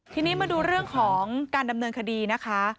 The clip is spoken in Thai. ทีนี้มาดูเรื่องของการดำเนินคดีนะคะ